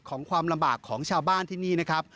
ความลำบากของชาวบ้านที่นี่นะครับ